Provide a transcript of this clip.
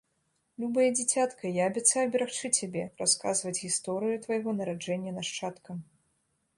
Любае дзіцятка, я абяцаю берагчы цябе, расказваць гісторыю твайго нараджэння нашчадкам.